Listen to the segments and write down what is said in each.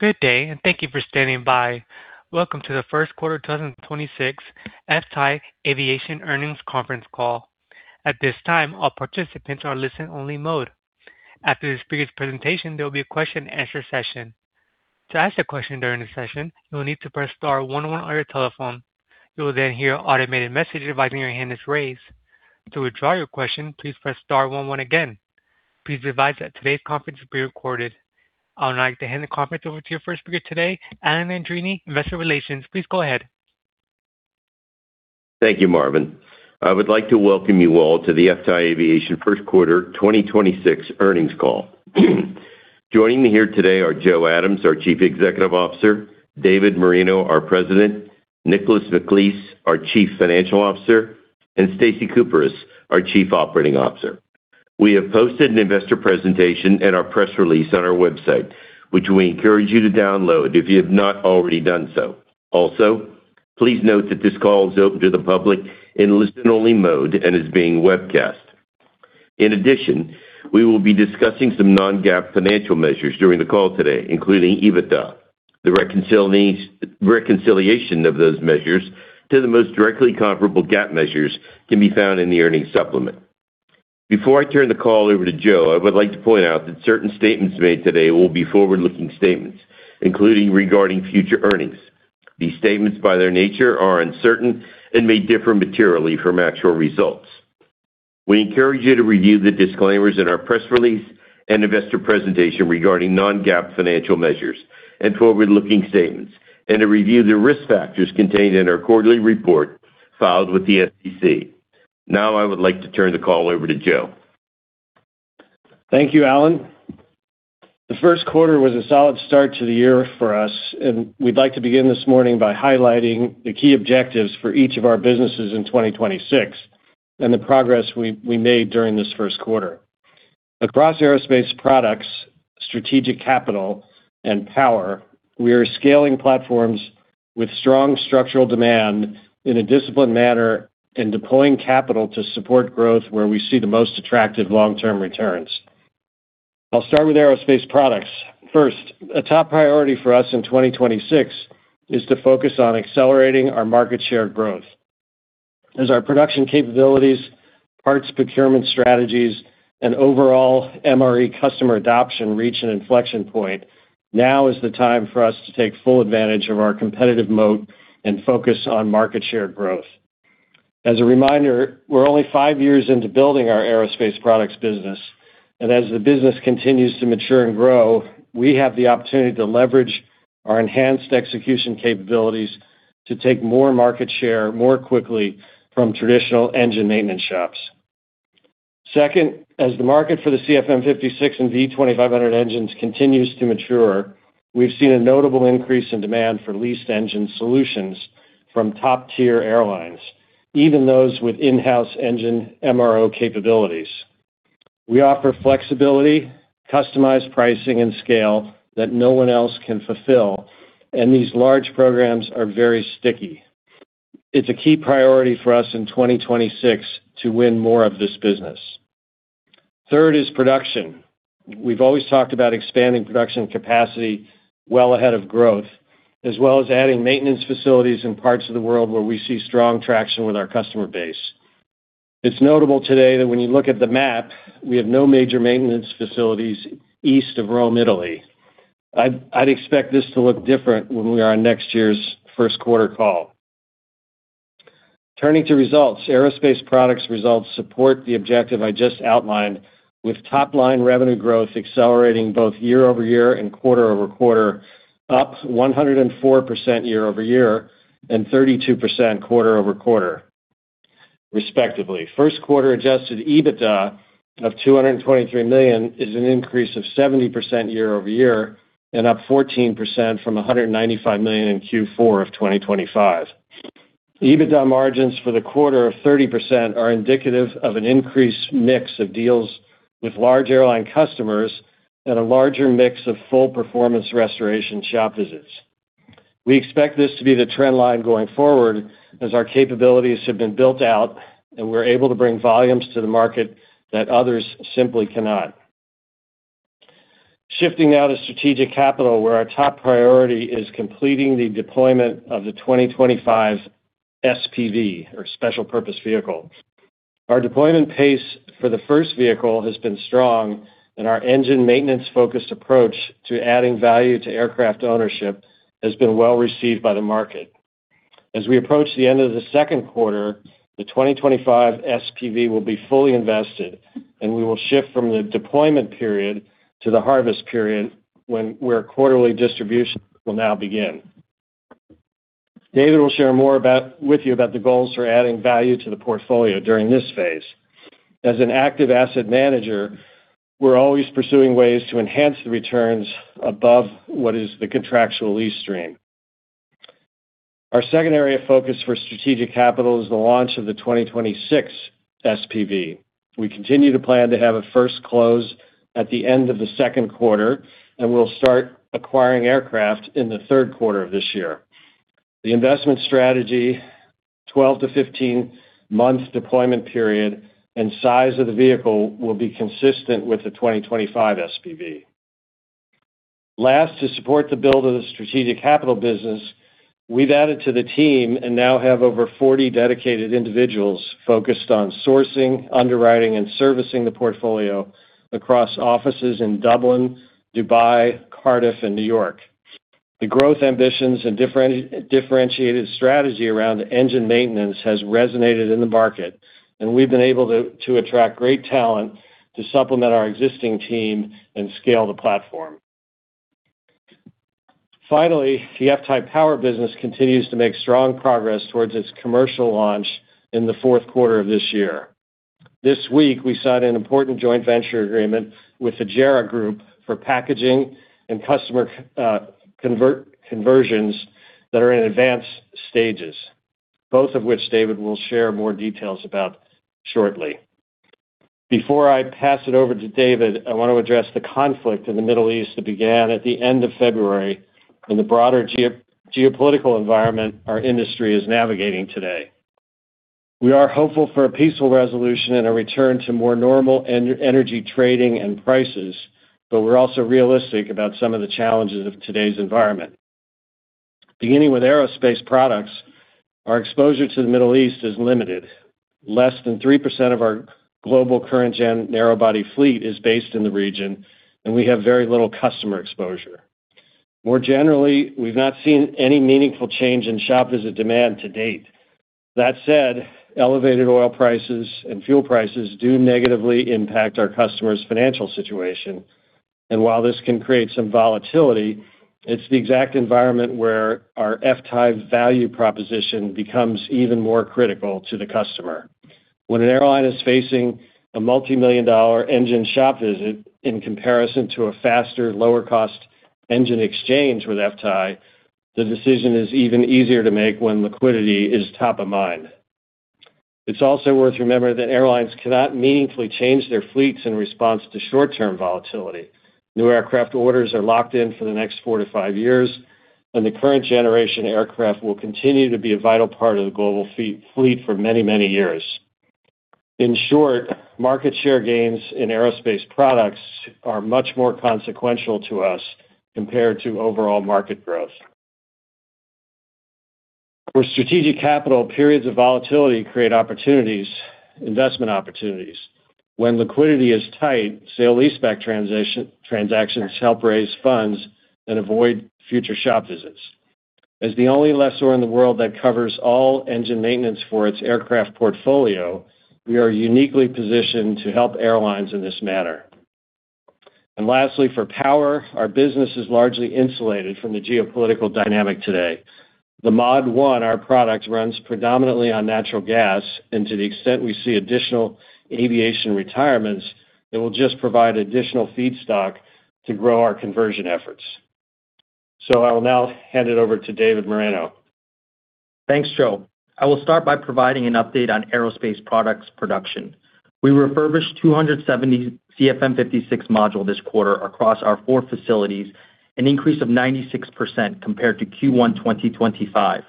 Good day, and thank you for standing by. Welcome to the first quarter 2026 FTAI Aviation earnings conference call. I would like to hand the conference over to your first speaker today, Alan Andreini, Investor Relations. Please go ahead. Thank you, Marvin. I would like to welcome you all to the FTAI Aviation first quarter 2026 earnings call. Joining me here today are Joe Adams, our Chief Executive Officer, David Moreno, our President, Nicholas McAleese, our Chief Financial Officer, and Stacy Kuperus, our Chief Operating Officer. We have posted an investor presentation and our press release on our website, which we encourage you to download if you have not already done so. Also, please note that this call is open to the public in listen-only mode and is being webcast. In addition, we will be discussing some non-GAAP financial measures during the call today, including EBITDA. The reconciliation of those measures to the most directly comparable GAAP measures can be found in the earnings supplement. Before I turn the call over to Joe, I would like to point out that certain statements made today will be forward-looking statements, including regarding future earnings. These statements, by their nature, are uncertain and may differ materially from actual results. We encourage you to review the disclaimers in our press release and investor presentation regarding non-GAAP financial measures and forward-looking statements, and to review the risk factors contained in our quarterly report filed with the SEC. Now I would like to turn the call over to Joe. Thank you, Alan. The first quarter was a solid start to the year for us, and we'd like to begin this morning by highlighting the key objectives for each of our businesses in 2026 and the progress we made during this first quarter. Across Aerospace Products, Strategic Capital, and FTAI Power, we are scaling platforms with strong structural demand in a disciplined manner and deploying capital to support growth where we see the most attractive long-term returns. I'll start with Aerospace Products. First, a top priority for us in 2026 is to focus on accelerating our market share growth. As our production capabilities, parts procurement strategies, and overall MRE customer adoption reach an inflection point, now is the time for us to take full advantage of our competitive moat and focus on market share growth. As a reminder, we're only five years into building our Aerospace Products business, and as the business continues to mature and grow, we have the opportunity to leverage our enhanced execution capabilities to take more market share more quickly from traditional engine maintenance shops. Second, as the market for the CFM56 and V2500 engines continues to mature, we've seen a notable increase in demand for leased engine solutions from top-tier airlines, even those with in-house engine MRO capabilities. We offer flexibility, customized pricing, and scale that no one else can fulfill, and these large programs are very sticky. It's a key priority for us in 2026 to win more of this business. Third is production. We've always talked about expanding production capacity well ahead of growth, as well as adding maintenance facilities in parts of the world where we see strong traction with our customer base. It's notable today that when you look at the map, we have no major maintenance facilities east of Rome, Italy. I'd expect this to look different when we are on next year's first quarter call. Turning to results, Aerospace Products results support the objective I just outlined with top-line revenue growth accelerating both year-over-year and quarter-over-quarter, up 104% year-over-year and 32% quarter-over-quarter, respectively. First quarter adjusted EBITDA of $223 million is an increase of 70% year-over-year and up 14% from $195 million in Q4 of 2025. EBITDA margins for the quarter of 30% are indicative of an increased mix of deals with large airline customers and a larger mix of full performance restoration shop visits. We expect this to be the trend line going forward as our capabilities have been built out, and we're able to bring volumes to the market that others simply cannot. Shifting now to Strategic Capital, where our top priority is completing the deployment of the 2025 SPV or special purpose vehicle. Our deployment pace for the first vehicle has been strong, and our engine maintenance-focused approach to adding value to aircraft ownership has been well received by the market. As we approach the end of the second quarter, the 2025 SPV will be fully invested, and we will shift from the deployment period to the harvest period where quarterly distribution will now begin. David will share more with you about the goals for adding value to the portfolio during this phase. As an active asset manager, we're always pursuing ways to enhance the returns above what is the contractual lease stream. Our second area of focus for Strategic Capital is the launch of the 2026 SPV. We continue to plan to have a first close at the end of the second quarter, and we'll start acquiring aircraft in the third quarter of this year. The investment strategy, 12 to 15-month deployment period, and size of the vehicle will be consistent with the 2025 SPV. Last, to support the build of the Strategic Capital business, we've added to the team and now have over 40 dedicated individuals focused on sourcing, underwriting, and servicing the portfolio across offices in Dublin, Dubai, Cardiff, and New York. The growth ambitions and differentiated strategy around engine maintenance has resonated in the market, and we've been able to attract great talent to supplement our existing team and scale the platform. Finally, the FTAI Power business continues to make strong progress towards its commercial launch in the fourth quarter of this year. This week, we signed an important joint venture agreement with the JERA Group for packaging and customer conversions that are in advanced stages, both of which David will share more details about shortly. Before I pass it over to David, I want to address the conflict in the Middle East that began at the end of February and the broader geopolitical environment our industry is navigating today. We are hopeful for a peaceful resolution and a return to more normal energy trading and prices, but we're also realistic about some of the challenges of today's environment. Beginning with Aerospace Products, our exposure to the Middle East is limited. Less than 3% of our global current gen narrow body fleet is based in the region, and we have very little customer exposure. More generally, we've not seen any meaningful change in shop visit demand to date. That said, elevated oil prices and fuel prices do negatively impact our customers' financial situation. While this can create some volatility, it's the exact environment where our FTAI value proposition becomes even more critical to the customer. When an airline is facing a multimillion-dollar engine shop visit in comparison to a faster, lower-cost engine exchange with FTAI, the decision is even easier to make when liquidity is top of mind. It's also worth remembering that airlines cannot meaningfully change their fleets in response to short-term volatility. New aircraft orders are locked in for the next four to five years, and the current generation aircraft will continue to be a vital part of the global fleet for many years. In short, market share gains in Aerospace Products are much more consequential to us compared to overall market growth. For Strategic Capital, periods of volatility create opportunities. When liquidity is tight, sale leaseback transactions help raise funds and avoid future shop visits. As the only lessor in the world that covers all engine maintenance for its aircraft portfolio, we are uniquely positioned to help airlines in this matter. Lastly, for FTAI Power, our business is largely insulated from the geopolitical dynamic today. The Mod-1, our product, runs predominantly on natural gas, and to the extent we see additional aviation retirements, it will just provide additional feedstock to grow our conversion efforts. I will now hand it over to David Moreno. Thanks, Joe. I will start by providing an update on Aerospace Products production. We refurbished 270 CFM56 module this quarter across our four facilities, an increase of 96% compared to Q1 2025.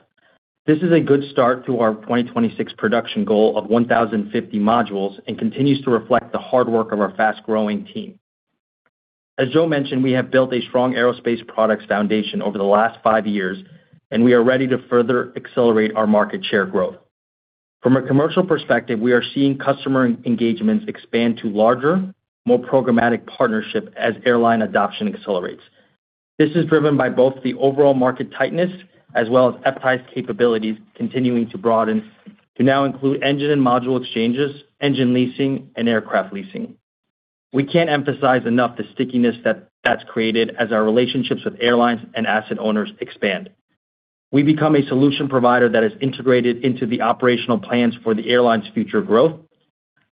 This is a good start to our 2026 production goal of 1,050 modules and continues to reflect the hard work of our fast-growing team. As Joe mentioned, we have built a strong Aerospace Products foundation over the last five years. We are ready to further accelerate our market share growth. From a commercial perspective, we are seeing customer engagements expand to larger, more programmatic partnership as airline adoption accelerates. This is driven by both the overall market tightness as well as FTAI's capabilities continuing to broaden to now include engine and module exchanges, engine leasing, and aircraft leasing. We can't emphasize enough the stickiness that's created as our relationships with airlines and asset owners expand. We become a solution provider that is integrated into the operational plans for the airline's future growth.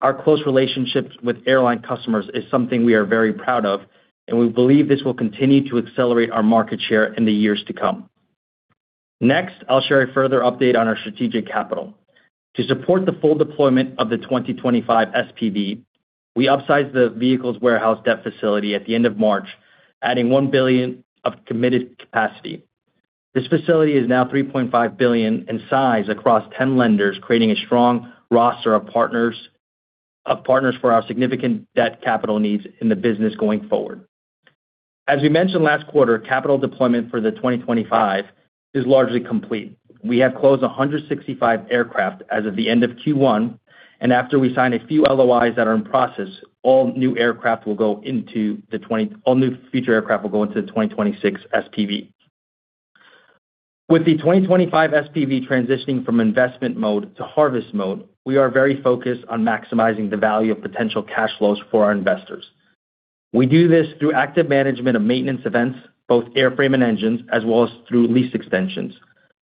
Our close relationships with airline customers is something we are very proud of, and we believe this will continue to accelerate our market share in the years to come. Next, I'll share a further update on our Strategic Capital. To support the full deployment of the 2025 SPV, we upsized the vehicle's warehouse debt facility at the end of March, adding $1 billion of committed capacity. This facility is now $3.5 billion in size across 10 lenders, creating a strong roster of partners for our significant debt capital needs in the business going forward. As we mentioned last quarter, capital deployment for the 2025 is largely complete. We have closed 165 aircraft as of the end of Q1, and after we sign a few LOIs that are in process, all new future aircraft will go into the 2026 SPV. With the 2025 SPV transitioning from investment mode to harvest mode, we are very focused on maximizing the value of potential cash flows for our investors. We do this through active management of maintenance events, both airframe and engines, as well as through lease extensions.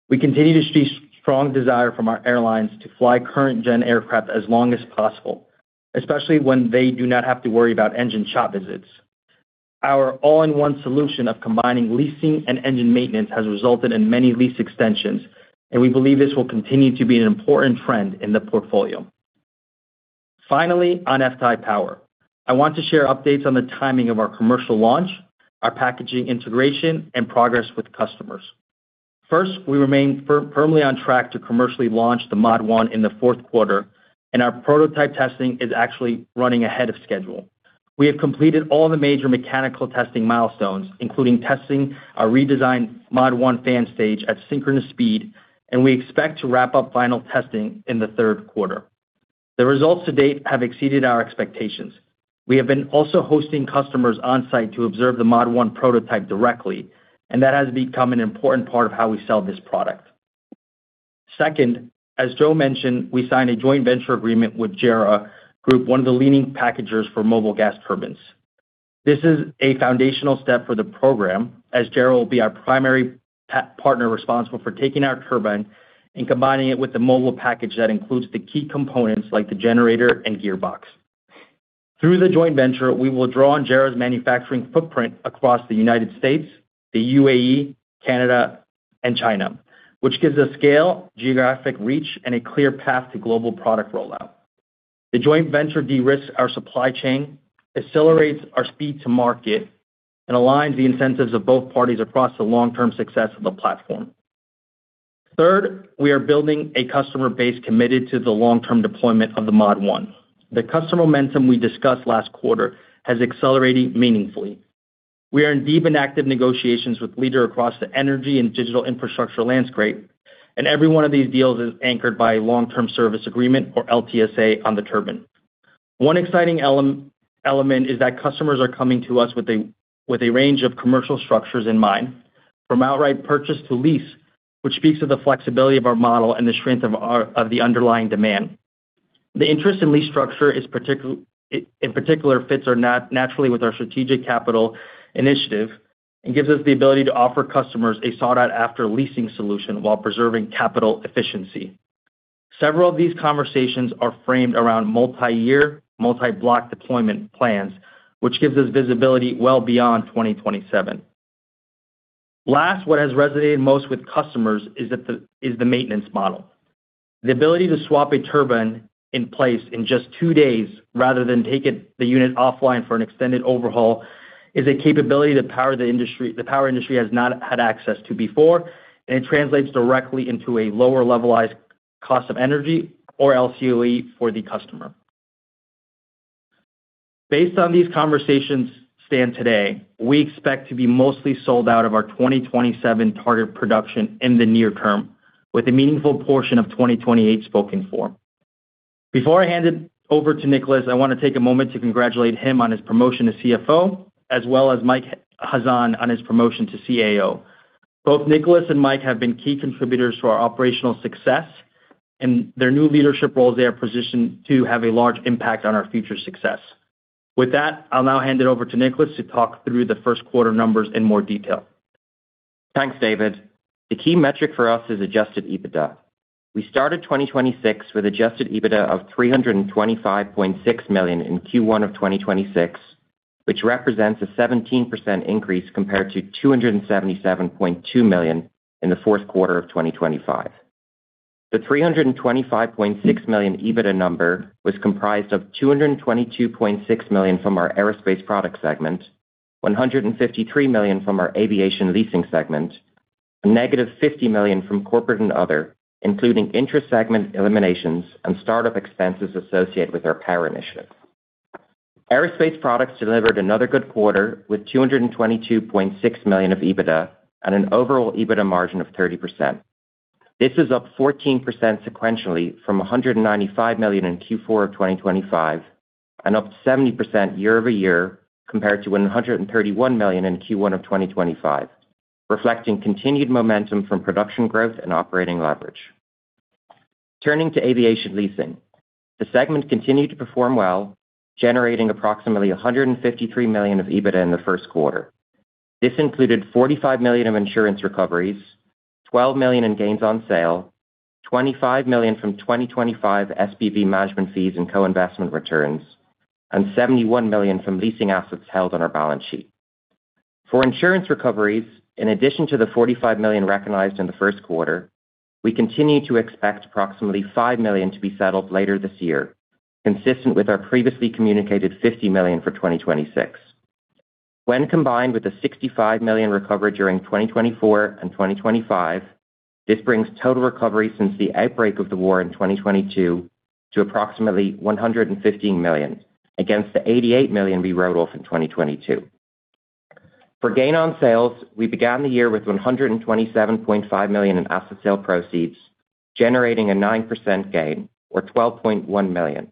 We continue to see strong desire from our airlines to fly current gen aircraft as long as possible, especially when they do not have to worry about engine shop visits. Our all-in-one solution of combining leasing and engine maintenance has resulted in many lease extensions, and we believe this will continue to be an important trend in the portfolio. On FTAI Power, I want to share updates on the timing of our commercial launch, our packaging integration, and progress with customers. We remain firmly on track to commercially launch the Mod-1 in the fourth quarter, and our prototype testing is actually running ahead of schedule. We have completed all the major mechanical testing milestones, including testing our redesigned Mod-1 fan stage at synchronous speed, and we expect to wrap up final testing in the third quarter. The results to date have exceeded our expectations. We have been also hosting customers on-site to observe the Mod-1 prototype directly, and that has become an important part of how we sell this product. Second, as Joe mentioned, we signed a joint venture agreement with JERA Group, one of the leading packagers for mobile gas turbines. This is a foundational step for the program as JERA will be our primary partner responsible for taking our turbine and combining it with the mobile package that includes the key components like the generator and gearbox. Through the joint venture, we will draw on JERA's manufacturing footprint across the United States, the UAE, Canada, and China, which gives us scale, geographic reach, and a clear path to global product rollout. The joint venture de-risks our supply chain, accelerates our speed to market, and aligns the incentives of both parties across the long-term success of the platform. Third, we are building a customer base committed to the long-term deployment of the Mod-1. The customer momentum we discussed last quarter has accelerated meaningfully. We are in deep and active negotiations with leader across the energy and digital infrastructure landscape, and every one of these deals is anchored by a long-term service agreement or LTSA on the turbine. One exciting element is that customers are coming to us with a range of commercial structures in mind, from outright purchase to lease, which speaks to the flexibility of our model and the strength of the underlying demand. The interest in lease structure in particular fits naturally with our Strategic Capital Initiative and gives us the ability to offer customers a sought-after leasing solution while preserving capital efficiency. Several of these conversations are framed around multi-year, multi-block deployment plans, which gives us visibility well beyond 2027. Last, what has resonated most with customers is the maintenance model. The ability to swap a turbine in place in just two days rather than taking the unit offline for an extended overhaul is a capability the power industry has not had access to before, and it translates directly into a lower levelized cost of energy or LCOE for the customer. Based on these conversations as they stand today, we expect to be mostly sold out of our 2027 target production in the near term, with a meaningful portion of 2028 spoken for. Before I hand it over to Nicholas, I want to take a moment to congratulate him on his promotion to CFO, as well as Mike Hazan on his promotion to CAO. Both Nicholas and Mike have been key contributors to our operational success. In their new leadership roles, they are positioned to have a large impact on our future success. With that, I'll now hand it over to Nicholas to talk through the first quarter numbers in more detail. Thanks, David. The key metric for us is adjusted EBITDA. We started 2026 with adjusted EBITDA of $325.6 million in Q1 of 2026, which represents a 17% increase compared to $277.2 million in the fourth quarter of 2025. The $325.6 million EBITDA number was comprised of $222.6 million from our Aerospace Products segment, $153 million from our Aviation Leasing segment, -$50 million from Corporate & Other, including inter-segment eliminations and start-up expenses associated with our power initiative. Aerospace Products delivered another good quarter, with $222.6 million of EBITDA and an overall EBITDA margin of 30%. This is up 14% sequentially from $195 million in Q4 of 2025 and up 70% year-over-year compared to $131 million in Q1 of 2025, reflecting continued momentum from production growth and operating leverage. Turning to Aviation Leasing. The segment continued to perform well, generating approximately $153 million of EBITDA in the first quarter. This included $45 million of insurance recoveries, $12 million in gains on sale, $25 million from 2025 SPV management fees and co-investment returns, and $71 million from leasing assets held on our balance sheet. For insurance recoveries, in addition to the $45 million recognized in the first quarter, we continue to expect approximately $5 million to be settled later this year, consistent with our previously communicated $50 million for 2026. When combined with the $65 million recovered during 2024 and 2025, this brings total recovery since the outbreak of the war in 2022 to approximately $115 million against the $88 million we wrote off in 2022. For gain on sales, we began the year with $127.5 million in asset sale proceeds, generating a 9% gain or $12.1 million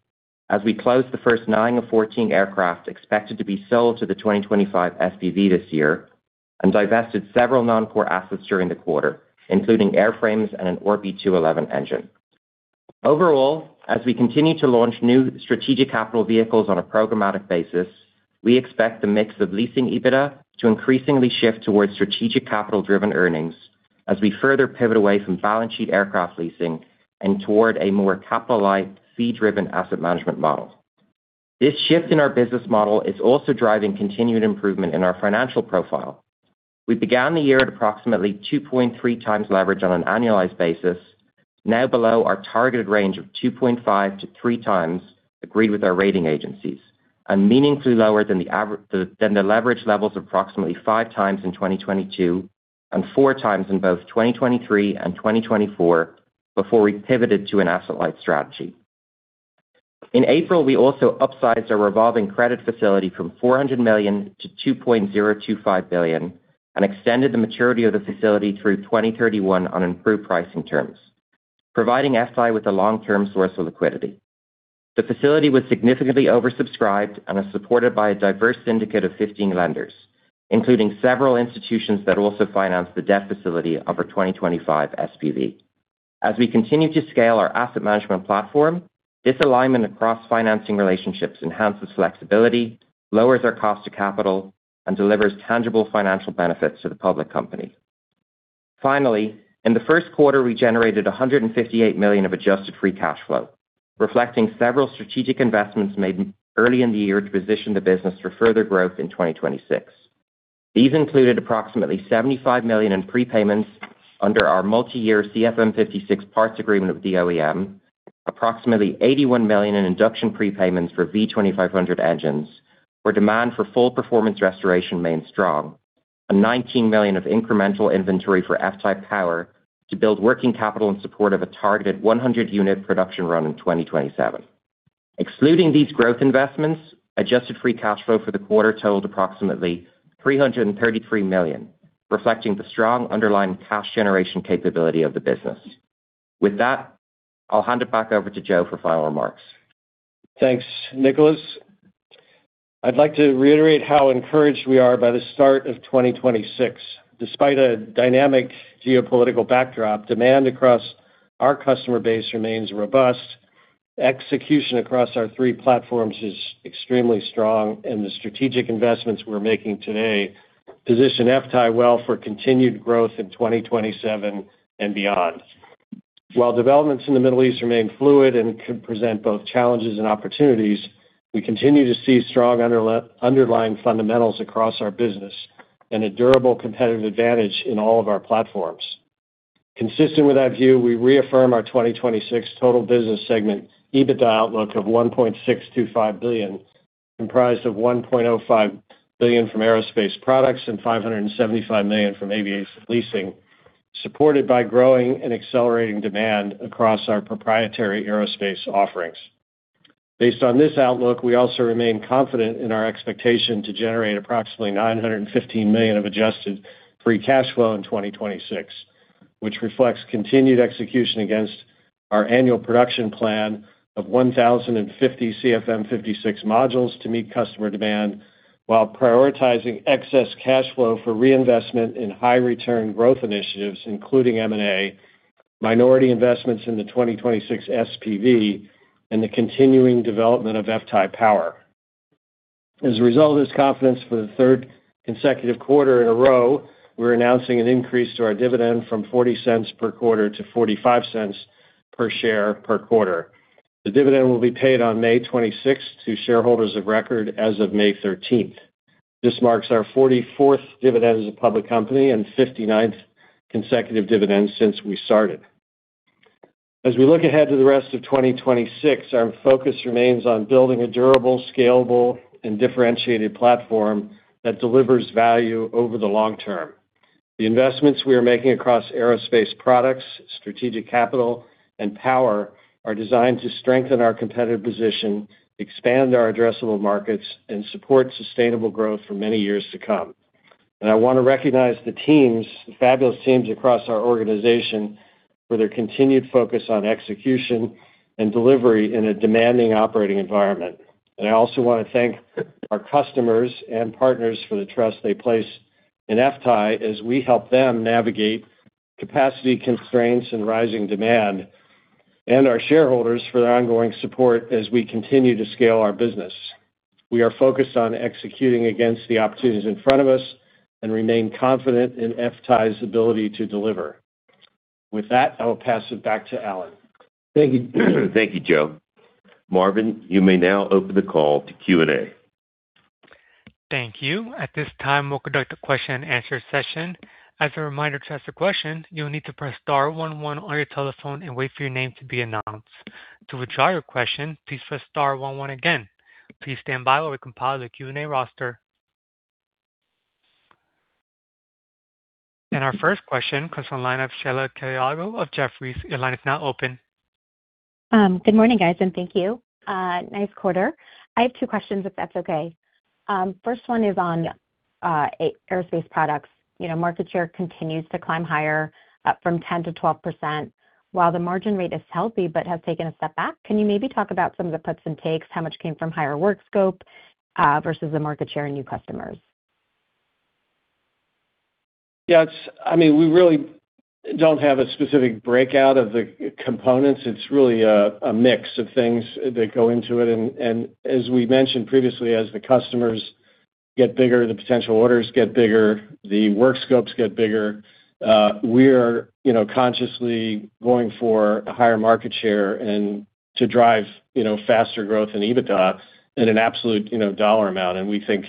as we closed the first nine of 14 aircraft expected to be sold to the 2025 SPV this year and divested several non-core assets during the quarter, including airframes and an RB211 engine. Overall, as we continue to launch new Strategic Capital vehicles on a programmatic basis, we expect the mix of leasing EBITDA to increasingly shift towards Strategic Capital-driven earnings as we further pivot away from balance sheet aircraft leasing and toward a more capital light, fee-driven asset management model. This shift in our business model is also driving continued improvement in our financial profile. We began the year at approximately 2.3x leverage on an annualized basis, now below our targeted range of 2.5x-3x agreed with our rating agencies, and meaningfully lower than the leverage levels approximately 5x in 2022 and 4x in both 2023 and 2024 before we pivoted to an asset-light strategy. In April, we also upsized our revolving credit facility from $400 million to $2.025 billion and extended the maturity of the facility through 2031 on improved pricing terms, providing FTAI with a long-term source of liquidity. The facility was significantly oversubscribed and is supported by a diverse syndicate of 15 lenders, including several institutions that also financed the debt facility of our 2025 SPV. As we continue to scale our asset management platform, this alignment across financing relationships enhances flexibility, lowers our cost of capital, and delivers tangible financial benefits to the public company. Finally, in the first quarter, we generated $158 million of adjusted free cash flow, reflecting several strategic investments made early in the year to position the business for further growth in 2026. These included approximately $75 million in prepayments under our multiyear CFM56 parts agreement with the OEM, approximately $81 million in induction prepayments for V2500 engines, where demand for full performance restoration remains strong, $19 million of incremental inventory for FTAI Power to build working capital in support of a targeted 100-unit production run in 2027. Excluding these growth investments, adjusted free cash flow for the quarter totaled approximately $333 million, reflecting the strong underlying cash generation capability of the business. With that, I'll hand it back over to Joe for final remarks. Thanks, Nicholas. I'd like to reiterate how encouraged we are by the start of 2026. Despite a dynamic geopolitical backdrop, demand across our customer base remains robust. Execution across our three platforms is extremely strong, and the strategic investments we're making today position FTAI well for continued growth in 2027 and beyond. While developments in the Middle East remain fluid and could present both challenges and opportunities, we continue to see strong underlying fundamentals across our business and a durable competitive advantage in all of our platforms. Consistent with that view, we reaffirm our 2026 total business segment EBITDA outlook of $1.625 billion, comprised of $1.05 billion from Aerospace Products and $575 million from Aviation Leasing, supported by growing and accelerating demand across our proprietary aerospace offerings. Based on this outlook, we also remain confident in our expectation to generate approximately $915 million of adjusted free cash flow in 2026, which reflects continued execution against our annual production plan of 1,050 CFM56 modules to meet customer demand while prioritizing excess cash flow for reinvestment in high-return growth initiatives, including M&A, minority investments in the 2026 SPV, and the continuing development of FTAI Power. As a result of this confidence for the third consecutive quarter in a row, we're announcing an increase to our dividend from $0.40 per quarter to $0.45 per share per quarter. The dividend will be paid on May 26 to shareholders of record as of May 13th. This marks our 44th dividend as a public company and 59th consecutive dividend since we started. As we look ahead to the rest of 2026, our focus remains on building a durable, scalable, and differentiated platform that delivers value over the long term. The investments we are making across Aerospace Products, Strategic Capital, and FTAI Power are designed to strengthen our competitive position, expand our addressable markets, and support sustainable growth for many years to come. I want to recognize the teams, the fabulous teams across our organization for their continued focus on execution and delivery in a demanding operating environment. I also want to thank our customers and partners for the trust they place in FTAI as we help them navigate capacity constraints and rising demand, and our shareholders for their ongoing support as we continue to scale our business. We are focused on executing against the opportunities in front of us and remain confident in FTAI's ability to deliver. With that, I will pass it back to Alan. Thank you. Thank you, Joe. Marvin, you may now open the call to Q&A. Thank you. At this time, we'll conduct a question and answer session. As a reminder to ask a question, you will need to press star one one on your telephone and wait for your name to be announced. To withdraw your question, please press star one one again. Please stand by while we compile the Q&A roster. Our first question comes from the line of Sheila Kahyaoglu of Jefferies. Your line is now open. Good morning, guys, and thank you. Nice quarter. I have two questions, if that's okay. First one is on Aerospace Products. You know, market share continues to climb higher up from 10%-12%, while the margin rate is healthy but has taken a step back. Can you maybe talk about some of the puts and takes, how much came from higher work scope versus the market share and new customers? Yeah, I mean, we really don't have a specific breakout of the components. It's really a mix of things that go into it. As we mentioned previously, as the customers get bigger, the potential orders get bigger, the work scopes get bigger. We are, you know, consciously going for a higher market share and to drive, you know, faster growth in EBITDA in an absolute, you know, dollar amount. We think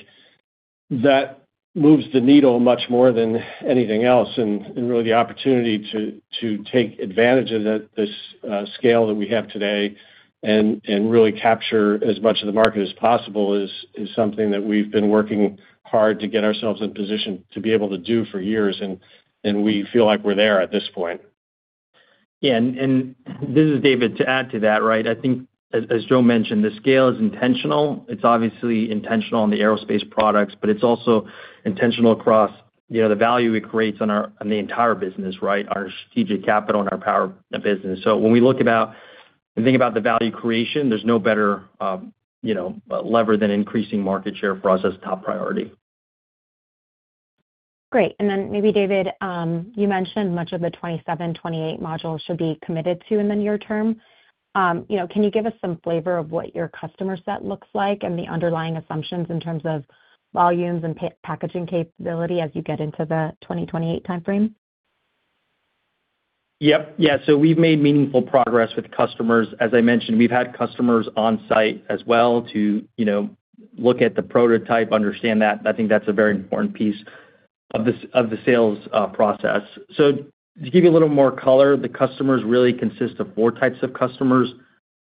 that moves the needle much more than anything else. Really the opportunity to take advantage of that, this scale that we have today and really capture as much of the market as possible is something that we've been working hard to get ourselves in position to be able to do for years, and we feel like we're there at this point. Yeah. This is David. To add to that, right? I think as Joe mentioned, the scale is intentional. It's obviously intentional on the Aerospace Products, but it's also intentional across, you know, the value it creates on the entire business, right? Our Strategic Capital and our FTAI Power business. When we look about and think about the value creation, there's no better, you know, lever than increasing market share for us as top priority. Great. Maybe David, you mentioned much of the 2027, 2028 modules should be committed to in the near term. You know, can you give us some flavor of what your customer set looks like and the underlying assumptions in terms of volumes and packaging capability as you get into the 2028 timeframe? We've made meaningful progress with customers. As I mentioned, we've had customers on site as well to, you know, look at the prototype, understand that. I think that's a very important piece of the sales process. To give you a little more color, the customers really consist of four types of customers.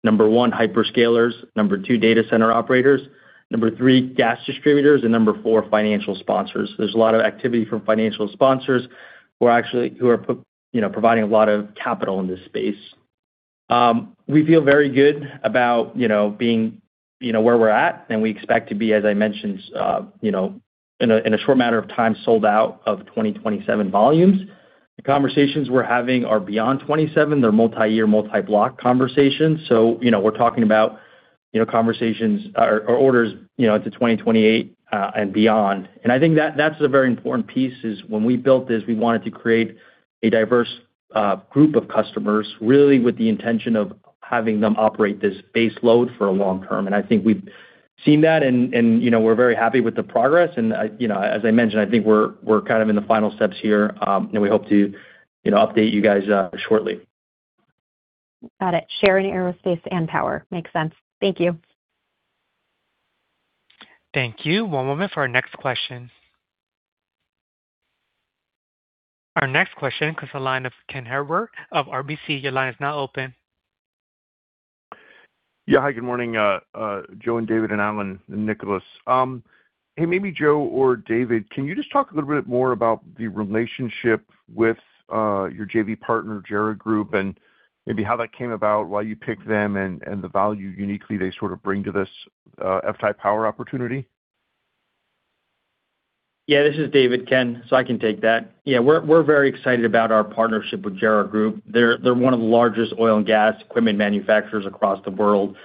Number one, hyperscalers. Number two, data center operators. Number three, gas distributors. And number four, financial sponsors. There's a lot of activity from financial sponsors who are providing a lot of capital in this space. We feel very good about, you know, being, you know, where we're at, and we expect to be, as I mentioned, you know, in a short matter of time, sold out of 2027 volumes. The conversations we're having are beyond 2027. They're multi-year, multi-block conversations. You know, we're talking about, you know, conversations or orders, you know, into 2028 and beyond. I think that's a very important piece, is when we built this, we wanted to create a diverse group of customers, really with the intention of having them operate this base load for a long term. I think we've seen that and you know, we're very happy with the progress. You know, as I mentioned, I think we're kind of in the final steps here. We hope to, you know, update you guys shortly. Got it. Sharing Aerospace Products and FTAI Power. Makes sense. Thank you. Thank you. One moment for our next question. Our next question comes from the line of Ken Herbert of RBC. Your line is now open. Yeah. Hi, good morning, Joe and David and Alan and Nicholas. Hey, maybe Joe or David, can you just talk a little bit more about the relationship with your JV partner, JERA Group, and maybe how that came about, why you picked them and the value uniquely they sort of bring to this FTAI Power opportunity? Yeah, this is David, Ken, so I can take that. Yeah, we're very excited about our partnership with JERA Group. They're one of the largest oil and gas equipment manufacturers across the world.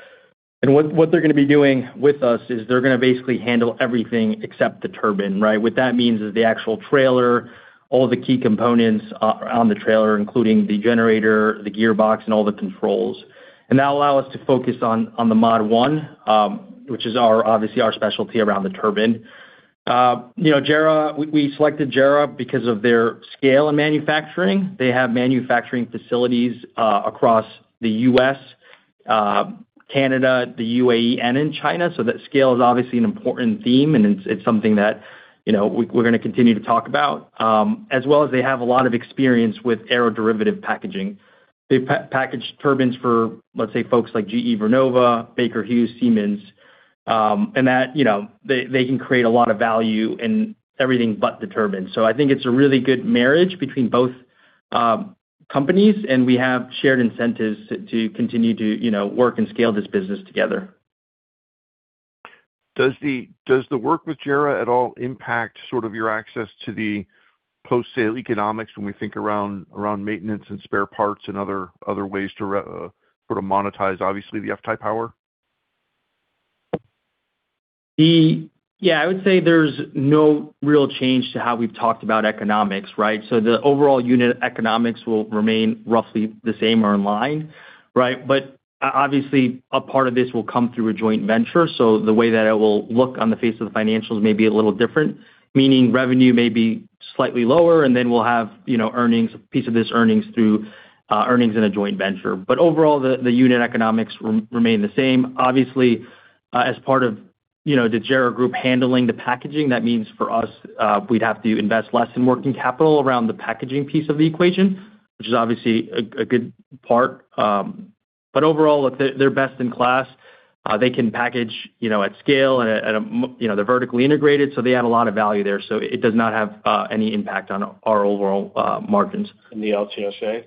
What they're gonna be doing with us is they're gonna basically handle everything except the turbine, right? What that means is the actual trailer, all the key components on the trailer, including the generator, the gearbox, and all the controls. That'll allow us to focus on the Mod-1, which is obviously our specialty around the turbine. You know, JERA, we selected JERA because of their scale in manufacturing. They have manufacturing facilities across the U.S., Canada, the UAE, and in China. That scale is obviously an important theme, and it's something that, you know, we're gonna continue to talk about. As well as they have a lot of experience with aeroderivative packaging. They package turbines for, let's say, folks like GE Vernova, Baker Hughes, Siemens, and that, you know, they can create a lot of value in everything but the turbine. I think it's a really good marriage between both companies, and we have shared incentives to continue to, you know, work and scale this business together. Does the work with JERA at all impact sort of your access to the post-sale economics when we think around maintenance and spare parts and other ways to sort of monetize, obviously the FTAI Power? Yeah, I would say there's no real change to how we've talked about economics, right? The overall unit economics will remain roughly the same or in line, right? Obviously a part of this will come through a joint venture, the way that it will look on the face of the financials may be a little different, meaning revenue may be slightly lower, and then we'll have, you know, earnings, piece of this earnings through earnings in a joint venture. Overall, the unit economics remain the same. Obviously, as part of, you know, the JERA Group handling the packaging, that means for us, we'd have to invest less in working capital around the packaging piece of the equation, which is obviously a good part. Overall, they're best in class. They can package, you know, at scale and you know, they're vertically integrated, so they add a lot of value there. It does not have any impact on our overall margins. The LTSA?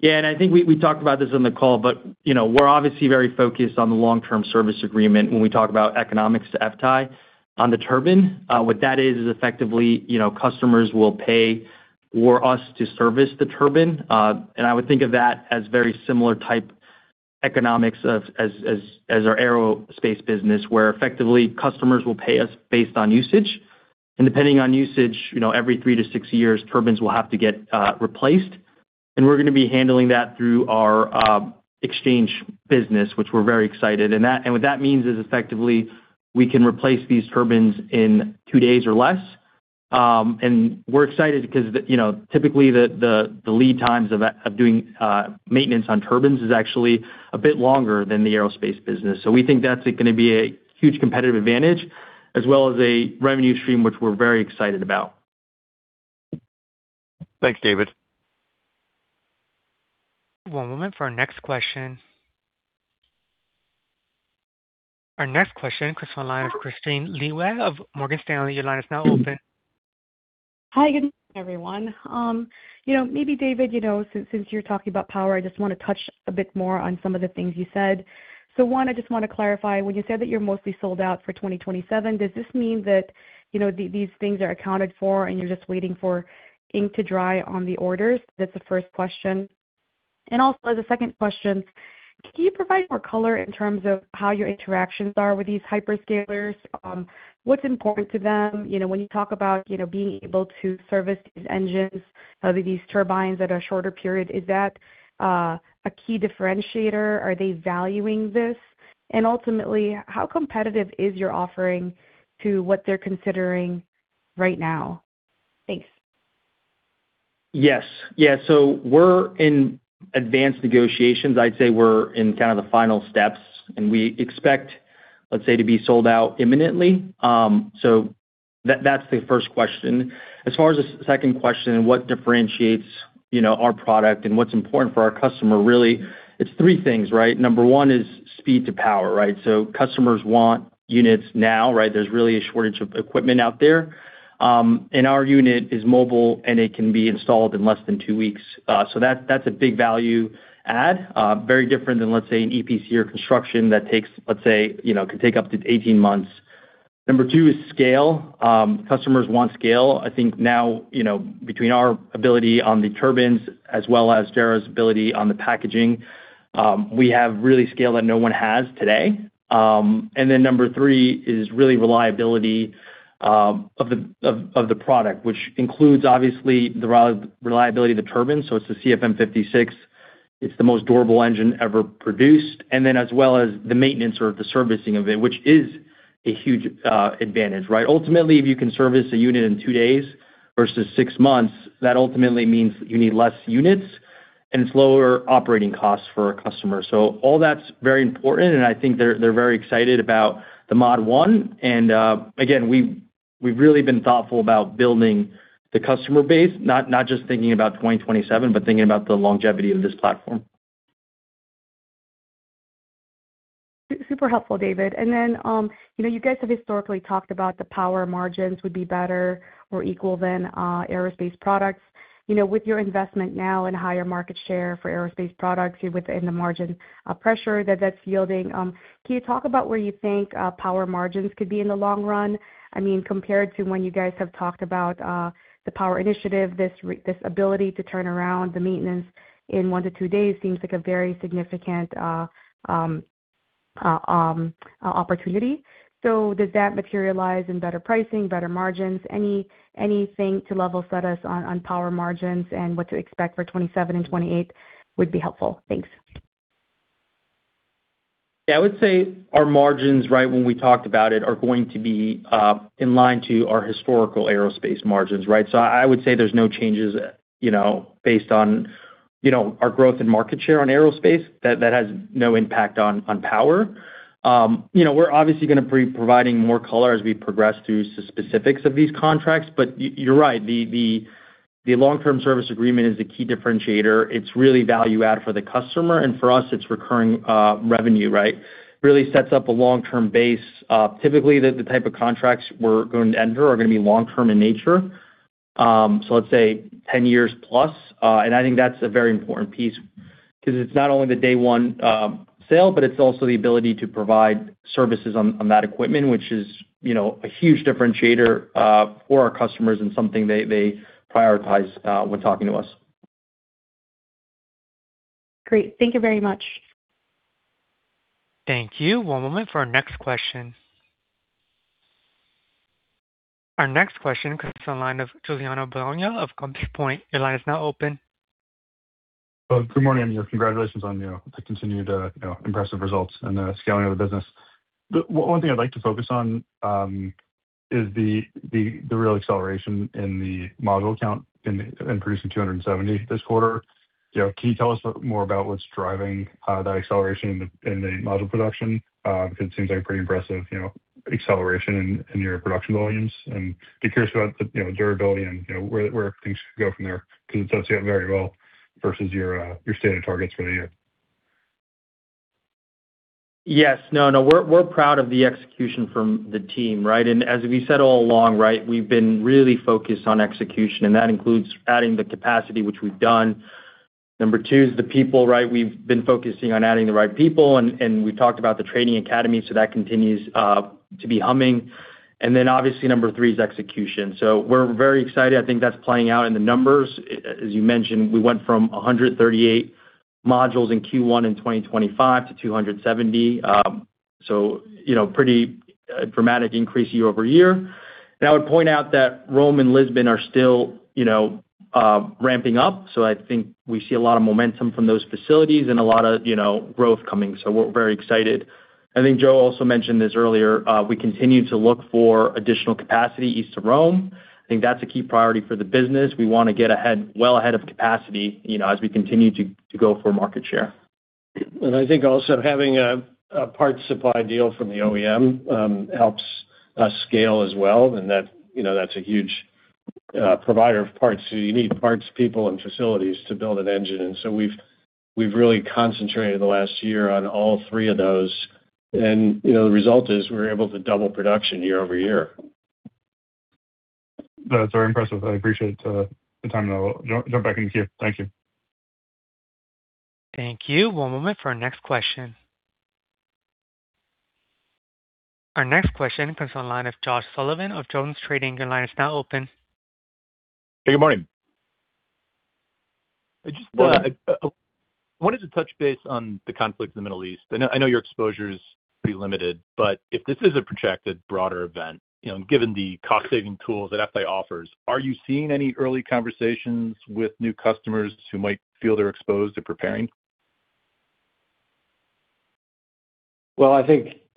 Yeah. I think we talked about this on the call, but you know, we're obviously very focused on the long-term service agreement when we talk about economics to FTAI on the turbine. What that is effectively, you know, customers will pay for us to service the turbine. I would think of that as very similar type economics as our aerospace business, where effectively customers will pay us based on usage. Depending on usage, you know, every 3-6 years, turbines will have to get replaced. We're gonna be handling that through our exchange business, which we're very excited. What that means is effectively we can replace these turbines in two days or less. We're excited because the, you know, typically the lead times of doing maintenance on turbines is actually a bit longer than the aerospace business. We think that's gonna be a huge competitive advantage as well as a revenue stream, which we're very excited about. Thanks, David. One moment for our next question. Our next question comes from the line of Kristine Liwag of Morgan Stanley. Your line is now open. Hi, good morning, everyone. You know, maybe David, you know, since you're talking about Power, I just wanna touch a bit more on some of the things you said. One, I just wanna clarify, when you said that you're mostly sold out for 2027, does this mean that, you know, these things are accounted for, and you're just waiting for ink to dry on the orders? That's the first question. Also the second question, can you provide more color in terms of how your interactions are with these hyperscalers? What's important to them? You know, when you talk about, you know, being able to service these engines, these turbines at a shorter period, is that a key differentiator? Are they valuing this? And ultimately, how competitive is your offering to what they're considering right now? Thanks. Yes. Yeah. We're in advanced negotiations. I'd say we're in kind of the final steps, and we expect, let's say, to be sold out imminently. That's the first question. As far as the second question, what differentiates, you know, our product and what's important for our customer, really it's three things, right? Number one is speed to power, right? Customers want units now, right? There's really a shortage of equipment out there. Our unit is mobile, and it can be installed in less than two weeks. That's a big value add. Very different than, let's say, an EPC or construction that takes, let's say, you know, can take up to 18 months. Number two is scale. Customers want scale. I think now, you know, between our ability on the turbines as well as JERA's ability on the packaging, we have really scale that no one has today. Number three is really reliability of the product, which includes obviously the reliability of the turbine. It's the CFM56. It's the most durable engine ever produced. As well as the maintenance or the servicing of it, which is a huge advantage, right? Ultimately, if you can service a unit in two days versus six months, that ultimately means you need less units, and it's lower operating costs for a customer. All that's very important, and I think they're very excited about the Mod-1. Again, we've really been thoughtful about building the customer base, not just thinking about 2027, but thinking about the longevity of this platform. Super helpful, David. You know, you guys have historically talked about the FTAI Power margins would be better or equal than Aerospace Products. You know, with your investment now in higher market share for Aerospace Products within the margin pressure that that's yielding, can you talk about where you think FTAI Power margins could be in the long run? I mean, compared to when you guys have talked about the FTAI Power initiative, this ability to turn around the maintenance in 1-2 days seems like a very significant opportunity. Does that materialize in better pricing, better margins? Anything to level set us on FTAI Power margins and what to expect for 2027 and 2028 would be helpful. Thanks. Yeah. I would say our margins, right, when we talked about it, are going to be in line to our historical Aerospace Product smargins, right? I would say there's no changes, you know, based on, you know, our growth in market share on Aerospace Products. That has no impact on FTAI Power. You know, we're obviously gonna be providing more color as we progress through specifics of these contracts. You're right. The long-term service agreement is the key differentiator. It's really value add for the customer and for us, it's recurring revenue, right? Really sets up a long-term base. Typically, the type of contracts we're going to enter are gonna be long-term in nature. Let's say 10+ years. I think that's a very important piece because it's not only the day one sale, but it's also the ability to provide services on that equipment, which is, you know, a huge differentiator for our customers and something they prioritize when talking to us. Great. Thank you very much. Thank you. One moment for our next question. Our next question comes from the line of Giuliano Bologna of Compass Point. Your line is now open. Good morning, and congratulations on the continued, you know, impressive results and the scaling of the business. The one thing I'd like to focus on is the real acceleration in the module count in producing 270 this quarter. You know, can you tell us more about what's driving that acceleration in the module production? Because it seems like pretty impressive, you know, acceleration in your production volumes. And be curious about the, you know, durability and, you know, where things could go from there because it does seem very well versus your stated targets for the year. Yes. No, we're proud of the execution from the team, right? As we said all along, we've been really focused on execution, and that includes adding the capacity, which we've done. Number two is the people, right? We've been focusing on adding the right people, and we talked about the training academy, so that continues to be humming. Obviously number three is execution. We're very excited. I think that's playing out in the numbers. As you mentioned, we went from 138 modules in Q1 in 2025 to 270. You know, pretty dramatic increase year-over-year. I would point out that Rome and Lisbon are still, you know, ramping up. I think we see a lot of momentum from those facilities and a lot of, you know, growth coming. We're very excited. I think Joe also mentioned this earlier. We continue to look for additional capacity east of Rome. I think that's a key priority for the business. We wanna get ahead, well ahead of capacity, you know, as we continue to go for market share. I think also having a parts supply deal from the OEM helps us scale as well. That, you know, that's a huge provider of parts. You need parts, people, and facilities to build an engine. We've really concentrated the last year on all three of those. You know, the result is we're able to double production year-over-year. That's very impressive. I appreciate the time. I'll jump back in the queue. Thank you. Thank you. One moment for our next question. Our next question comes on the line of Josh Sullivan of JonesTrading. Your line is now open. Hey, good morning. I wanted to touch base on the conflict in the Middle East. I know your exposure is pretty limited, but if this is a projected broader event, you know, and given the cost-saving tools that FTAI offers, are you seeing any early conversations with new customers who might feel they're exposed to preparing?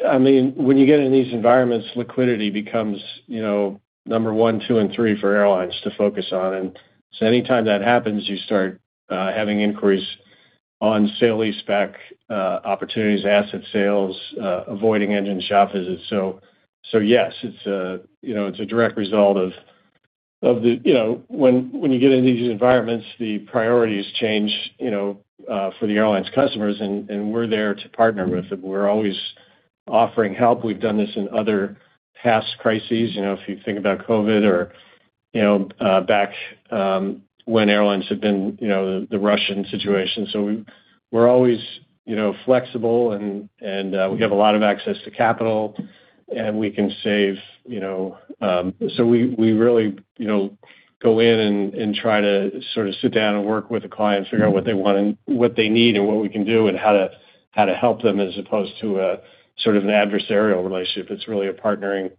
I mean, when you get in these environments, liquidity becomes, you know, number one, two, and three for airlines to focus on. Anytime that happens, you start having inquiries on sale-leaseback opportunities, asset sales, avoiding engine shop visits. Yes, it's, you know, a direct result of the, you know, when you get into these environments, the priorities change, you know, for the airlines customers, and we're there to partner with them. We're always offering help. We've done this in other past crises. You know, if you think about COVID or, you know, back when airlines have been, you know, the Russian situation. We're always, you know, flexible and we have a lot of access to capital, and we can save, you know. We really, you know, go in and try to sort of sit down and work with the client, figure out what they want and what they need and what we can do and how to help them as opposed to a sort of an adversarial relationship. It's really a partnering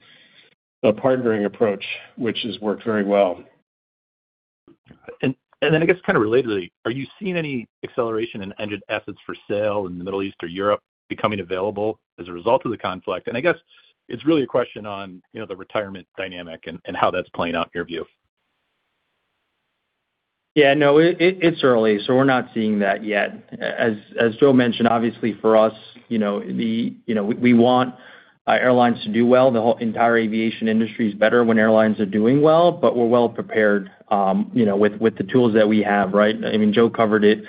approach, which has worked very well. Then I guess kind of relatedly, are you seeing any acceleration in engine assets for sale in the Middle East or Europe becoming available as a result of the conflict? I guess it's really a question on, you know, the retirement dynamic and how that's playing out in your view. It's early, so we're not seeing that yet. As Joe mentioned, obviously for us, you know, we want our airlines to do well. The whole entire aviation industry is better when airlines are doing well, but we're well prepared, you know, with the tools that we have, right? I mean, Joe covered it.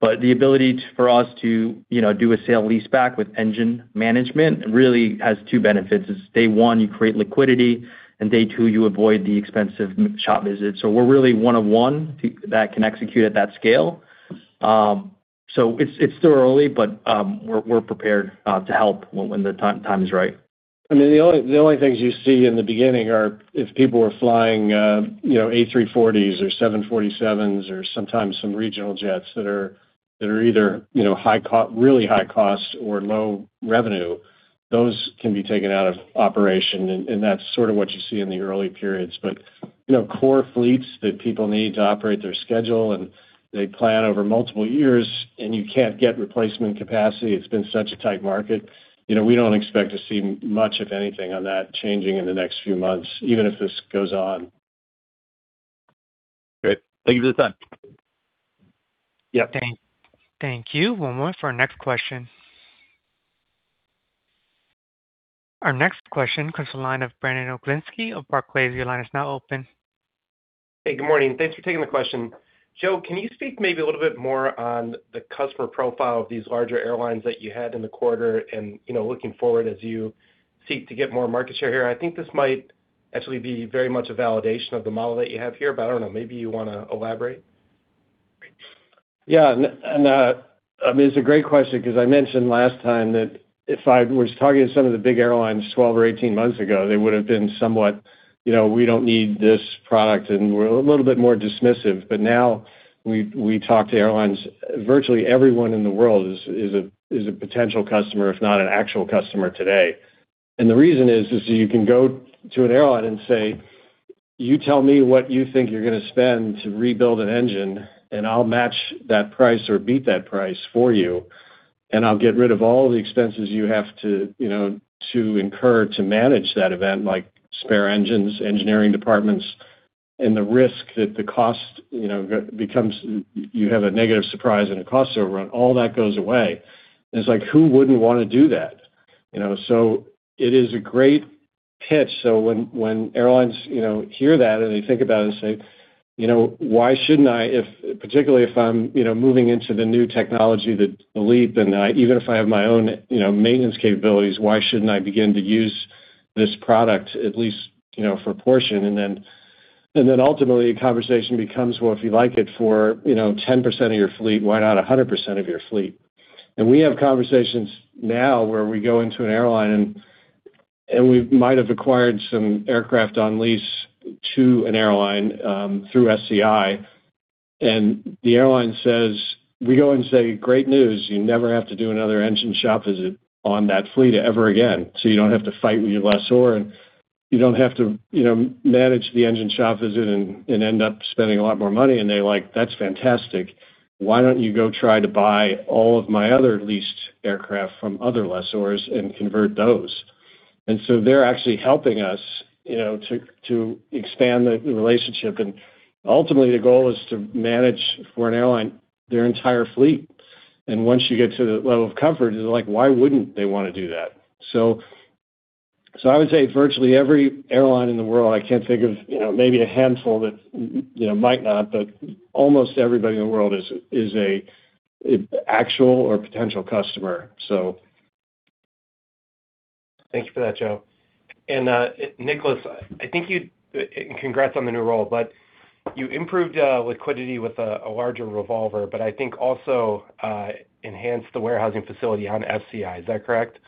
The ability for us to, you know, do a sale-leaseback with engine management really has two benefits, day one, you create liquidity, and day two, you avoid the expensive shop visits. We're really one of one that can execute at that scale. It's still early, but we're prepared to help when the time is right. I mean, the only things you see in the beginning are if people are flying, you know, A340s or 747s or sometimes some regional jets that are either, you know, really high cost or low revenue, those can be taken out of operation. That's sort of what you see in the early periods. Core fleets that people need to operate their schedule and they plan over multiple years, and you can't get replacement capacity. It's been such a tight market. You know, we don't expect to see much of anything on that changing in the next few months, even if this goes on. Great. Thank you for the time. Yep. Thank you. One moment for our next question. Our next question comes from the line of Brandon Oglenski of Barclays. Your line is now open. Hey, good morning. Thanks for taking the question. Joe, can you speak maybe a little bit more on the customer profile of these larger airlines that you had in the quarter and, you know, looking forward as you seek to get more market share here? I think this might actually be very much a validation of the model that you have here, but I don't know, maybe you wanna elaborate. Yeah. I mean, it's a great question 'cause I mentioned last time that if I was talking to some of the big airlines 12 or 18 months ago, they would've been somewhat, you know, "We don't need this product," and were a little bit more dismissive. Now we talk to airlines, virtually everyone in the world is a potential customer, if not an actual customer today. The reason is you can go to an airline and say, "You tell me what you think you're gonna spend to rebuild an engine, and I'll match that price or beat that price for you, and I'll get rid of all the expenses you have to, you know, to incur to manage that event, like spare engines, engineering departments, and the risk that the cost, you know, becomes. You have a negative surprise and a cost overrun. All that goes away. It's like, who wouldn't wanna do that? You know? It is a great pitch. When airlines, you know, hear that and they think about it and say, "You know, why shouldn't I if particularly if I'm, you know, moving into the new technology, the LEAP, even if I have my own, you know, maintenance capabilities, why shouldn't I begin to use this product at least, you know, for a portion?" Then ultimately the conversation becomes, "Well, if you like it for, you know, 10% of your fleet, why not 100% of your fleet?" We have conversations now where we go into an airline and we might have acquired some aircraft on lease to an airline through SCI. The airline says, we go and say, "Great news. You never have to do another engine shop visit on that fleet ever again, so you don't have to fight with your lessor, and you don't have to, you know, manage the engine shop visit and end up spending a lot more money." They're like, "That's fantastic. Why don't you go try to buy all of my other leased aircraft from other lessors and convert those?" They're actually helping us, you know, to expand the relationship. Ultimately, the goal is to manage for an airline their entire fleet. Once you get to the level of comfort, it's like, why wouldn't they wanna do that? I would say virtually every airline in the world, I can't think of, you know, maybe a handful that, you know, might not, but almost everybody in the world is a actual or potential customer. Thank you for that, Joe. Nicholas, I think congrats on the new role, but you improved liquidity with a larger revolver, but I think also enhanced the warehousing facility on SCI. Is that correct?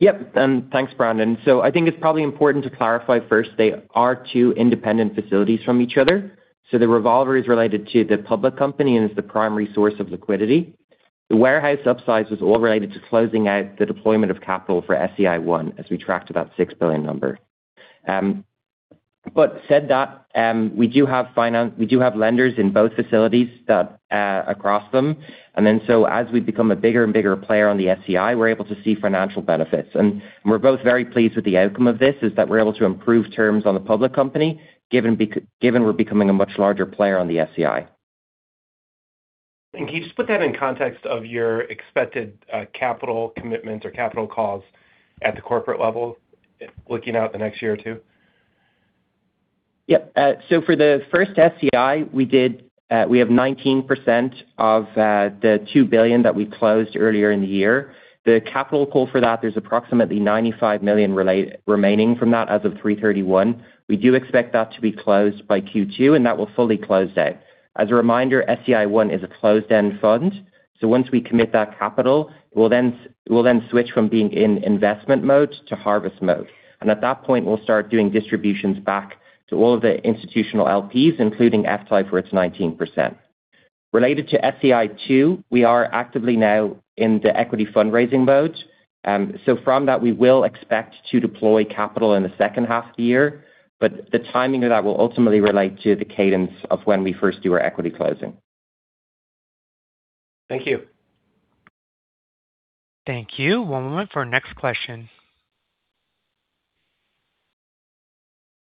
Yep, and thanks, Brandon. I think it's probably important to clarify first, they are two independent facilities from each other. The revolver is related to the public company and is the primary source of liquidity. The warehouse upsize was all related to closing out the deployment of capital for SCI I as we tracked to that $6 billion number. Said that, we do have lenders in both facilities that across them. As we become a bigger and bigger player on the SCI, we're able to see financial benefits. We're both very pleased with the outcome of this, is that we're able to improve terms on the public company given we're becoming a much larger player on the SCI. Can you just put that in context of your expected capital commitment or capital cost at the corporate level, looking over the next year or two? Yep. For the first SCI, we have 19% of the $2 billion that we closed earlier in the year. The capital call for that, there's approximately $95 million remaining from that as of 3/31. We do expect that to be closed by Q2, and that will fully close out. As a reminder, SCI I is a closed-end fund, once we commit that capital, we'll then switch from being in investment mode to harvest mode. At that point, we'll start doing distributions back to all of the institutional LPs, including FTAI for its 19%. Related to SCI II, we are actively now in the equity fundraising mode. From that, we will expect to deploy capital in the second half of the year, but the timing of that will ultimately relate to the cadence of when we first do our equity closing. Thank you. Thank you. One moment for our next question.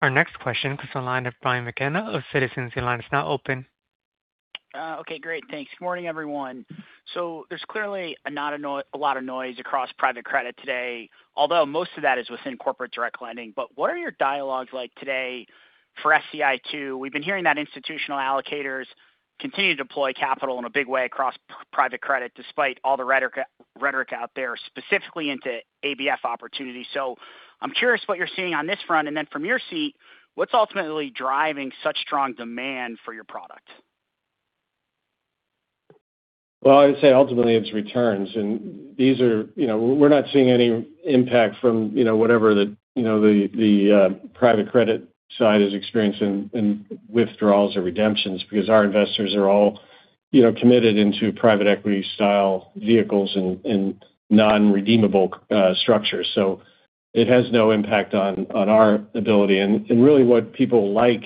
Our next question comes from the line of Brian McKenna of Citizens. Your line is now open. Okay, great. Thanks. Morning, everyone. There's clearly a lot of noise across private credit today, although most of that is within corporate direct lending. What are your dialogues like today for SCI II? We've been hearing that institutional allocators continue to deploy capital in a big way across private credit, despite all the rhetoric out there, specifically into ABF opportunities. I'm curious what you're seeing on this front, from your seat, what's ultimately driving such strong demand for your product? Well, I would say ultimately it's returns. You know, we're not seeing any impact from, you know, whatever the, you know, the private credit side is experiencing in withdrawals or redemptions because our investors are all, you know, committed into private equity style vehicles and non-redeemable structures. It has no impact on our ability. Really what people like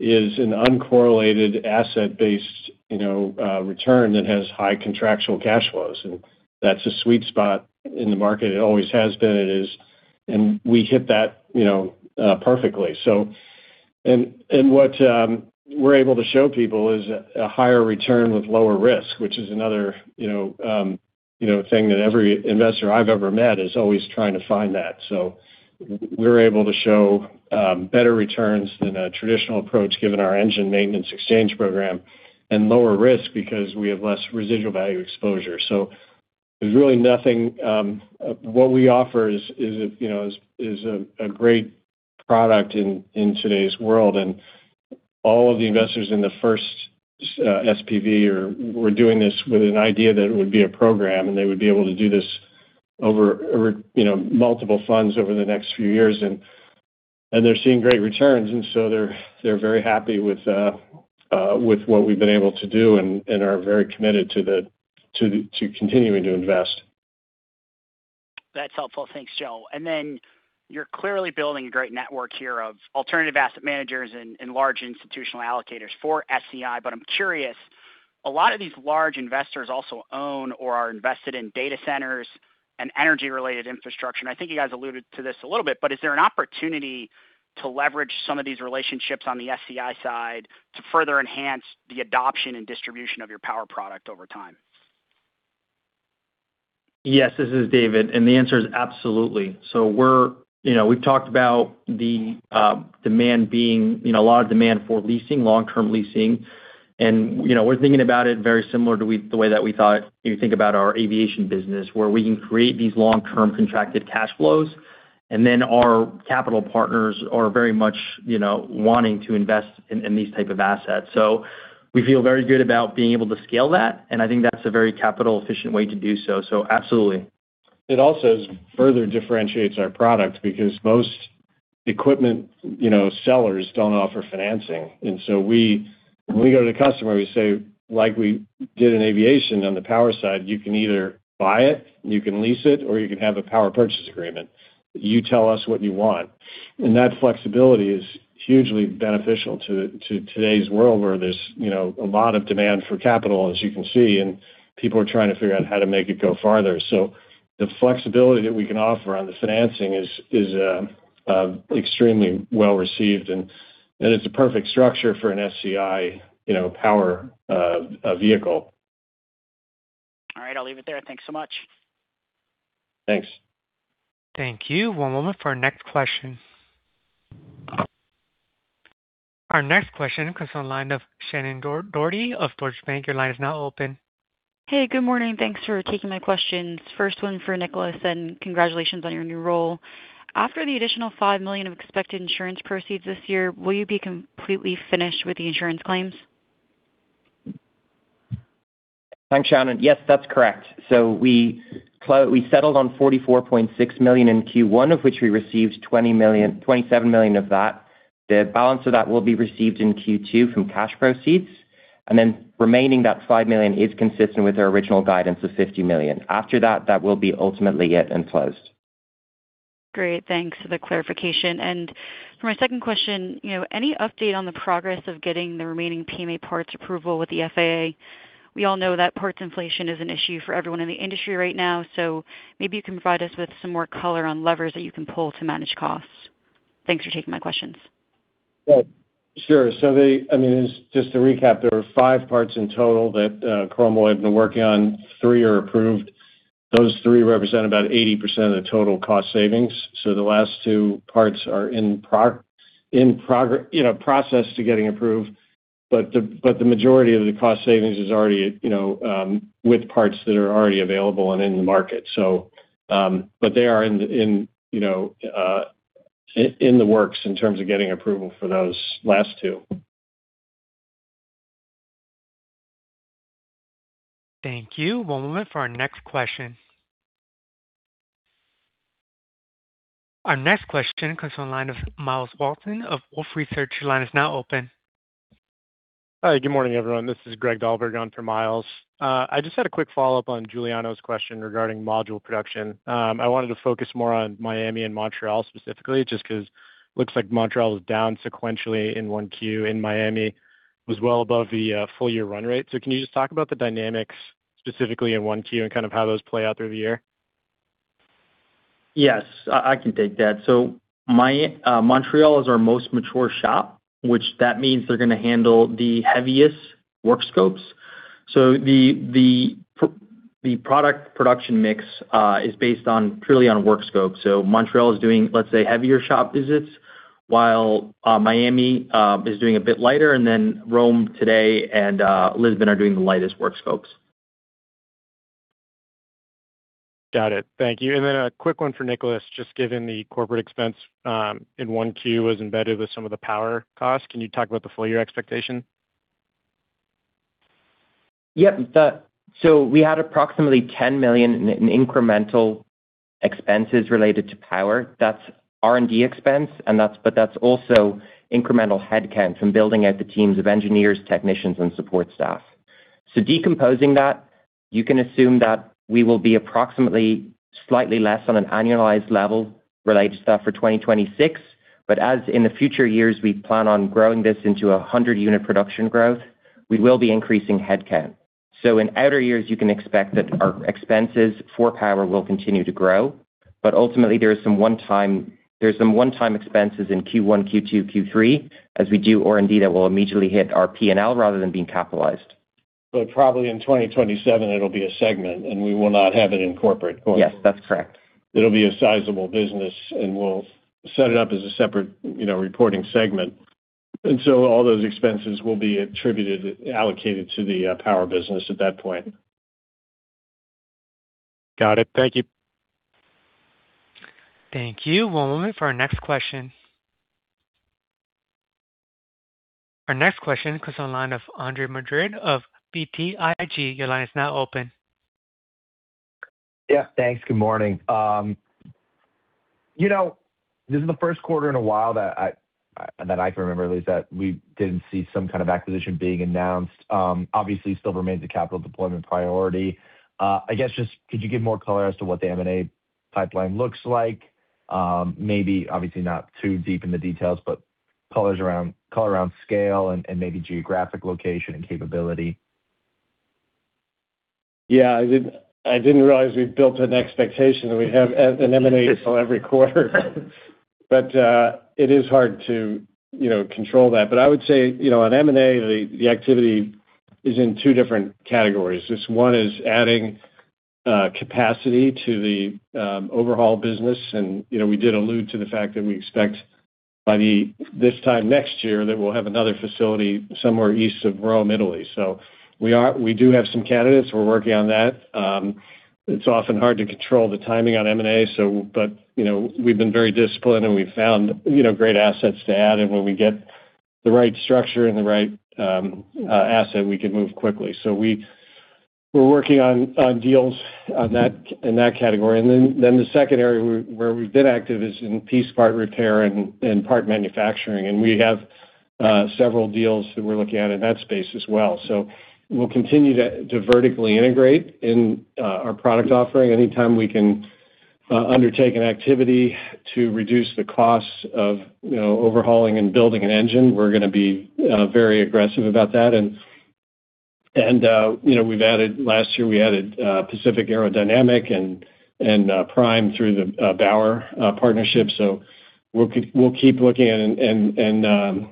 is an uncorrelated asset-based, you know, return that has high contractual cash flows. That's a sweet spot in the market. It always has been. It is. We hit that, you know, perfectly. What we're able to show people is a higher return with lower risk, which is another, you know, thing that every investor I've ever met is always trying to find that. We're able to show better returns than a traditional approach, given our engine maintenance exchange program and lower risk because we have less residual value exposure. There's really nothing, what we offer is, you know, is a great product in today's world. All of the investors in the first SPV were doing this with an idea that it would be a program, and they would be able to do this over, you know, multiple funds over the next few years. They're seeing great returns, they're very happy with what we've been able to do and are very committed to continuing to invest. That's helpful. Thanks, Joe. You're clearly building a great network here of alternative asset managers and large institutional allocators for SCI. I'm curious, a lot of these large investors also own or are invested in data centers and energy-related infrastructure. I think you guys alluded to this a little bit, but is there an opportunity to leverage some of these relationships on the SCI side to further enhance the adoption and distribution of your power product over time? Yes, this is David. The answer is absolutely. You know, we've talked about the demand being, you know, a lot of demand for leasing, long-term leasing. You know, we're thinking about it very similar to the way that you think about our aviation business, where we can create these long-term contracted cash flows. Our capital partners are very much, you know, wanting to invest in these type of assets. We feel very good about being able to scale that, and I think that's a very capital efficient way to do so. Absolutely. It also further differentiates our product because most equipment, you know, sellers don't offer financing. We, when we go to the customer, we say, like we did in aviation on the power side, "You can either buy it, you can lease it, or you can have a power purchase agreement. You tell us what you want." That flexibility is hugely beneficial to today's world where there's, you know, a lot of demand for capital, as you can see, and people are trying to figure out how to make it go farther. The flexibility that we can offer on the financing is extremely well-received, and it's a perfect structure for an SCI, you know, power vehicle. All right, I'll leave it there. Thanks so much. Thanks. Thank you. One moment for our next question. Our next question comes from the line of Shannon Doherty of Deutsche Bank. Your line is now open. Hey, good morning. Thanks for taking my questions. First one for Nicholas, and congratulations on your new role. After the additional $5 million of expected insurance proceeds this year, will you be completely finished with the insurance claims? Thanks, Shannon. Yes, that's correct. We settled on $44.6 million in Q1, of which we received $27 million of that. The balance of that will be received in Q2 from cash proceeds. Remaining, that $5 million is consistent with our original guidance of $50 million. After that will be ultimately it and closed. Great. Thanks for the clarification. For my second question, you know, any update on the progress of getting the remaining PMA parts approval with the FAA? We all know that parts inflation is an issue for everyone in the industry right now, so maybe you can provide us with some more color on levers that you can pull to manage costs. Thanks for taking my questions. Well, sure. I mean, just to recap, there are five parts in total that Chromalloy have been working on. Three are approved. Those three represent about 80% of the total cost savings. The last two parts are in you know, process to getting approved. The majority of the cost savings is already, you know, with parts that are already available and in the market. They are in you know, the works in terms of getting approval for those last two. Thank you. One moment for our next question. Our next question comes from the line of Myles Walton of Wolfe Research. Your line is now open. Hi, good morning, everyone. This is Greg Dahlberg on for Myles. I just had a quick follow-up on Giuliano's question regarding module production. I wanted to focus more on Miami and Montreal specifically, just 'cause looks like Montreal is down sequentially in 1Q, and Miami was well above the full year run rate. Can you just talk about the dynamics specifically in 1Q and kind of how those play out through the year? Yes, I can take that. Montreal is our most mature shop, which means they're gonna handle the heaviest work scopes. The product production mix is based purely on work scope. Montreal is doing, let's say, heavier shop visits, while Miami is doing a bit lighter, and then Rome today and Lisbon are doing the lightest work scopes. Got it. Thank you. A quick one for Nicholas, just given the corporate expense, in 1Q was embedded with some of the FTAI Power costs, can you talk about the full year expectation? Yeah. We had approximately $10 million in incremental expenses related to FTAI Power. That's R&D expense, and that's also incremental headcount from building out the teams of engineers, technicians, and support staff. Decomposing that, you can assume that we will be approximately slightly less on an annualized level related to that for 2026. As in the future years we plan on growing this into a 100-unit production growth, we will be increasing headcount. In outer years, you can expect that our expenses for power will continue to grow. Ultimately, there are some one-time expenses in Q1, Q2, Q3, as we do R&D that will immediately hit our P&L rather than being capitalized. Probably in 2027 it'll be a segment, and we will not have it in corporate going forward. Yes, that's correct. It'll be a sizable business, and we'll set it up as a separate, you know, reporting segment. All those expenses will be attributed, allocated to the FTAI Power business at that point. Got it. Thank you. Thank you. One moment for our next question. Our next question comes on line of Andre Madrid of BTIG. Your line is now open. Yeah. Thanks. Good morning. You know, this is the first quarter in a while that I can remember at least that we didn't see some kind of acquisition being announced. Obviously still remains a capital deployment priority. I guess just could you give more color as to what the M&A pipeline looks like? Maybe obviously not too deep in the details, but color around scale and maybe geographic location and capability. Yeah, I didn't realize we'd built an expectation that we have an M&A call every quarter. It is hard to, you know, control that. I would say, you know, on M&A, the activity is in two different categories. This one is adding capacity to the overhaul business. We did allude to the fact that we expect by this time next year that we'll have another facility somewhere east of Rome, Italy. We do have some candidates. We're working on that. It's often hard to control the timing on M&A, but, you know, we've been very disciplined, and we've found, you know, great assets to add. When we get the right structure and the right asset, we can move quickly. We're working on deals on that, in that category. The second area where we've been active is in piece part repair and part manufacturing. We have several deals that we're looking at in that space as well. We'll continue to vertically integrate in our product offering. Anytime we can undertake an activity to reduce the costs of, you know, overhauling and building an engine, we're gonna be very aggressive about that. Last year we added Pacific Aerodynamic and Prime through the Bauer partnership. We'll keep looking at and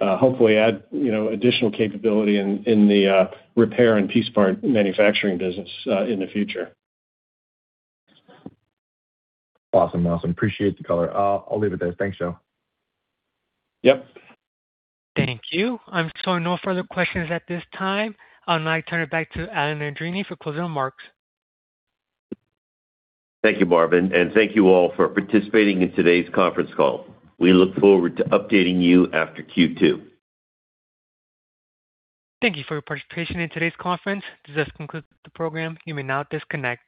hopefully add, you know, additional capability in the repair and piece part manufacturing business in the future. Awesome, awesome. Appreciate the color. I'll leave it there. Thanks, y'all. Yep. Thank you. I'm showing no further questions at this time. I'll now turn it back to Alan Andreini for closing remarks. Thank you, Marvin, and thank you all for participating in today's conference call. We look forward to updating you after Q2. Thank you for your participation in today's conference. This does conclude the program. You may now disconnect.